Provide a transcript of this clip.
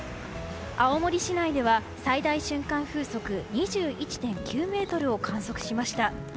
青森市内では、最大瞬間風速２１．９メートルを観測しました。